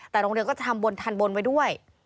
แต่โรงเรียนก็จะทำบนทันบนไว้ด้วย